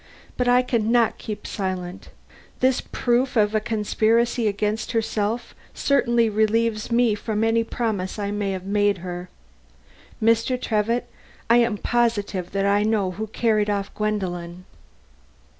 But I can not keep silence. This proof of a conspiracy against herself certainly relieves me from any promise I may have made her. Mr. Trevitt, I am positive that I know who carried off Gwendolen."